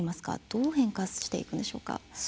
どう変化していくんでしょうか。